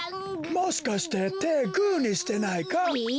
もしかしててグーにしてないか？